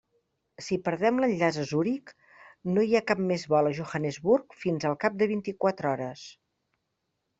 Si perdem l'enllaç a Zuric, no hi ha cap més vol a Johannesburg fins al cap de vint-i-quatre hores.